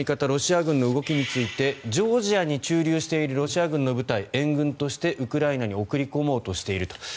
ロシア軍の動きについてジョージアに駐留しているロシア軍の部隊を援軍としてウクライナに送り込もうとしていると。